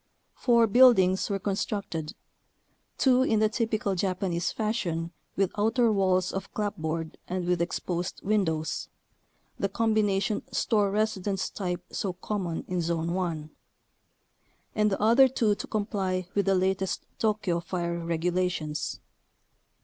Four buildings were constructed : two in the "typical Japanese fashion" with outer walls of clapboard and with exposed windows (the combination store residence type so common in Zone 1) ; and the other two to comply with the latest Tokyo fire regulations.